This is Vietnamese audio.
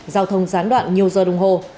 giao thông gián đoạn nhiều giờ đồng hồ